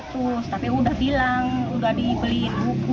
tiga ratus tapi udah bilang udah dibeliin buku